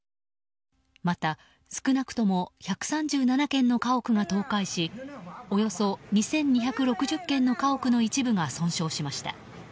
また、少なくとも１３７軒の家屋が倒壊しおよそ２２６０軒の家屋の一部が損傷しました。